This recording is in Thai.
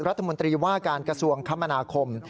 รัฐมนตรีว่าการกระทรวงคมนาคม